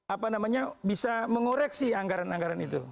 apa namanya bisa mengoreksi anggaran anggaran itu